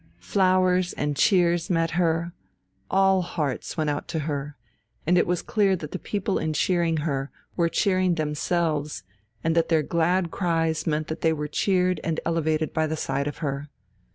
Flowers and cheers met her, all hearts went out to her, and it was clear that the people in cheering her were cheering themselves, and that their glad cries meant that they were cheered and elevated by the sight of her.